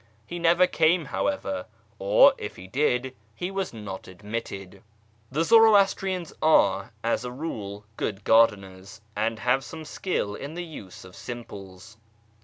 He never came, however ; or, if he did, he was not jidmitted. The Zoroastrians are, as a rule, good gardeners, and have ome skill in the use of simples.